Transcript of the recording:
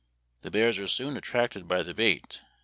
The bears are soon attracted by the bait.